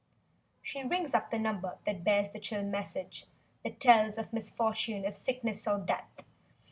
She rings up the number that bears the chill message That tells of misfortune, of sickness or death.